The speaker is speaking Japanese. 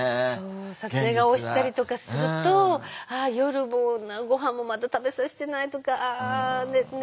撮影が押したりとかすると「夜もごはんもまだ食べさせてない」とか「あ寝てるかな」とか。